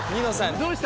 どうした？